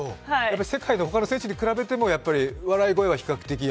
世界の他の選手に比べても、笑い声は比較的？